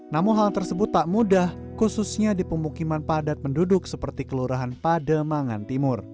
namun hal tersebut tak mudah khususnya di pemukiman padat penduduk seperti kelurahan pademangan timur